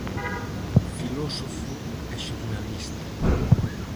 Filósofo e xornalista.